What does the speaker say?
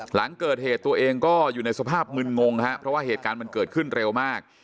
หลังเกิดเหตุตัวเองก็อยู่ในสภาพมึนงงฮะเพราะว่าเหตุการณ์มันเกิดขึ้นเร็วมาก